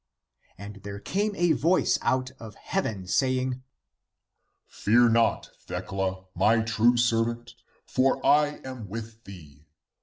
And there came a voice out of the heaven, saying :' Fear not, Thecla, my true servant, for I am with thee.